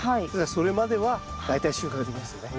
それまでは大体収穫できますね。